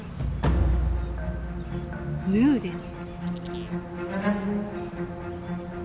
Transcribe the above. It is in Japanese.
ヌーです。